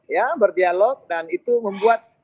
ya berdialog dan itu membuat